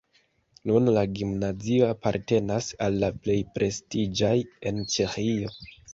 Nun la gimnazio apartenas al la plej prestiĝaj en Ĉeĥio.